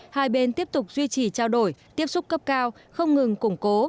hai bên tiếp tục duy trì trao đổi tiếp xúc cấp cao không ngừng củng cố